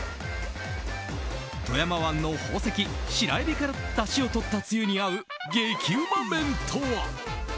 富山湾の宝石、白エビからだしをとったつゆに合う激うま麺とは？